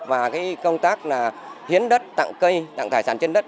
và công tác là hiến đất tặng cây tặng thải sản trên đất